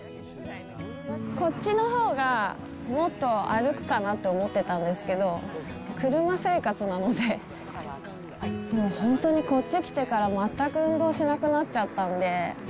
こっちのほうが、もっと歩くかなと思ってたんですけど、車生活なので、もう本当にこっち来てから、全く運動をしなくなっちゃったんで。